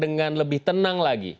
dengan lebih tenang lagi